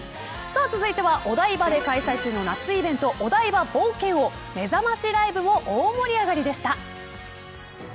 続いては、お台場で開催中の夏イベントお台場冒険王めざましライブも大盛り上がりでした。